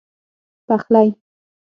پخلی